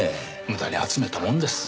無駄に集めたもんです。